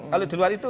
kalau di luar itu